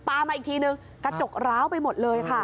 มาอีกทีนึงกระจกร้าวไปหมดเลยค่ะ